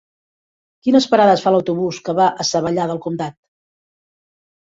Quines parades fa l'autobús que va a Savallà del Comtat?